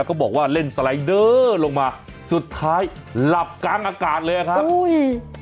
เขาบอกว่าเล่นสไลเดอร์ลงมาสุดท้ายหลับกลางอากาศเลยครับอุ้ย